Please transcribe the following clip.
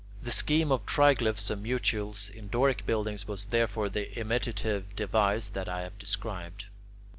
The scheme of triglyphs and mutules in Doric buildings was, therefore, the imitative device that I have described.